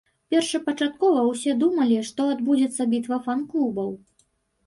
Першапачаткова ўсе думалі, што адбудзецца бітва фан-клубаў.